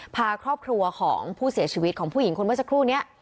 พาครอบครัวของผู้เสียชีวิตของผู้หญิงคนนี้